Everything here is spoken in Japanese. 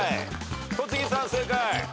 戸次さん正解。